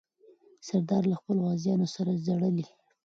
سردار له خپلو غازیانو سره ځارلې.